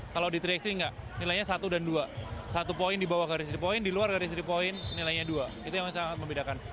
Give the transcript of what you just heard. kalau di tiga x tiga nilainya satu dan dua satu poin di bawah garis tiga poin di luar garis tiga point nilainya dua itu yang sangat membedakan